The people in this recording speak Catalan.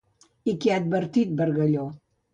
I què ha advertit a Bargalló?